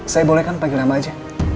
saya boleh kan panggil lama aja